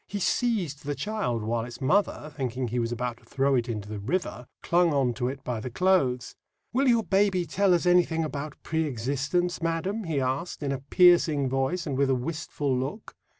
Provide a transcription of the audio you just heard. He seized the child, while its mother, thinking he was about to throw it into the river, clung on to it by the clothes. "Will your baby tell us anything about pre existence, madam?" he asked, in a piercing voice and with a wistful look.